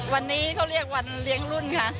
วันนี้เขาเรียกวันเลี้ยงรุ่นค่ะ